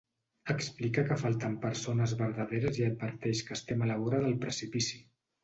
Explica que falten persones verdaderes i adverteix que estem a la vora del precipici.